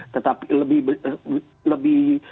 tetapi lebih berbahaya lagi lebih mengkhawatirkan lagi